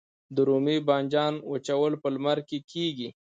د رومي بانجان وچول په لمر کې کیږي؟